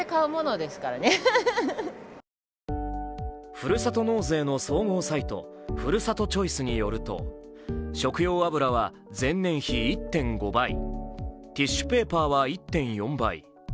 ふるさと納税の総合サイトふるさとチョイスによると食用油は前年比１．５倍、ティッシュペーパーは１．４倍。